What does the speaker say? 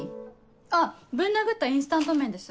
あっぶん殴ったインスタント麺です。